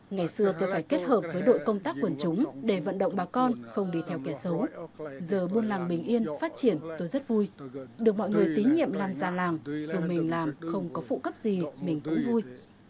ngày xưa tôi phải kết hợp với đội công tác quần chúng để vận động bà con không đi theo kẻ xấu giờ buôn làng bình yên phát triển tôi rất vui được mọi người tín nhiệm làm già làng dù mình làm không có phụ cấp gì mình cũng vui